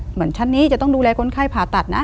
เหมือนชั้นนี้จะต้องดูแลคนไข้ผ่าตัดนะ